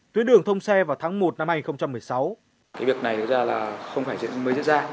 tuyến đường thông xe vào tháng một năm hai nghìn một mươi sáu